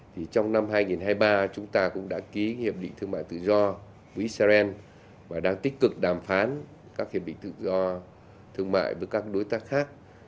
trong năm hai nghìn hai mươi ba chúng ta cũng đã ký hiệp định thương mại tự do của israel và đang tích cực đàm phán các hiệp định thương mại tự do với các đối tác khác